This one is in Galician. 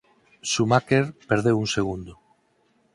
Schumacher perdeu un segundo.